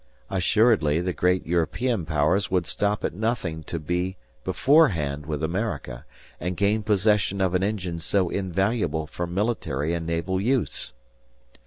Assuredly, the great European powers would stop at nothing to be beforehand with America, and gain possession of an engine so invaluable for military and naval use.